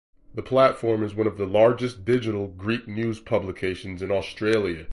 The platform is one of the largest digital Greek news publications in Australia.